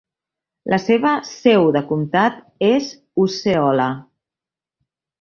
La seva seu de comtat és Osceola.